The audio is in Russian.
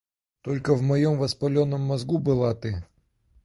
Только в моем воспаленном мозгу была ты!